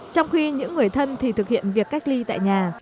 trong khi những người thân thì thực hiện việc cách ly tại nhà